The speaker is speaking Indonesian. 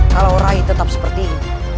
kalau rai tetap seperti ini